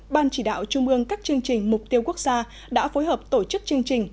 ban chỉ đạo trung ương các chương trình mục tiêu quốc gia đã phối hợp tổ chức chương trình